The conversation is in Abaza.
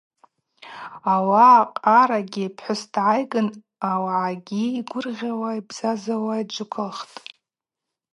Ауаъа Къарагьи пхӏвыс дгӏайгын ауагӏагьи йгвыргъьауа йбзазауа йджвыквылхтӏ.